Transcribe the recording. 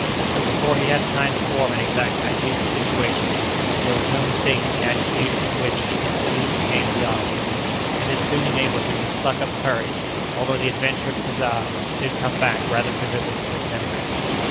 But before he had time to form an exact idea of the situation, there was no mistaking the agitation of which he instantly became the object, and this soon enabled him to pluck up courage, although the adventure of Kazah did come back rather vividly to his memory.